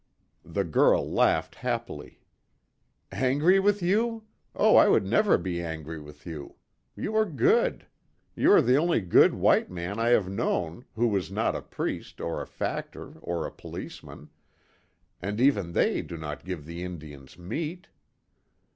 The girl laughed happily: "Angry with you! Oh, I would never be angry with you! You are good. You are the only good white man I have known who was not a priest, or a factor, or a policeman and even they do not give the Indians meat."